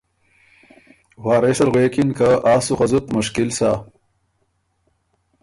وارث ال غوېکِن که ” آ سُو خه زُت مشکل سۀ“